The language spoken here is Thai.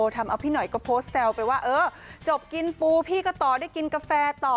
ทำเอาพี่หน่อยก็โพสต์แซวไปว่าเออจบกินปูพี่ก็ต่อได้กินกาแฟต่อ